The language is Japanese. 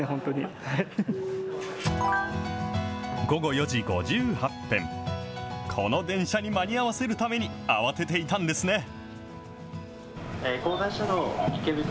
午後４時５８分、この電車に間に合わせるために慌てていたんですね。